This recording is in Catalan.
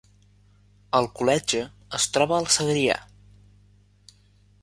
Alcoletge es troba al Segrià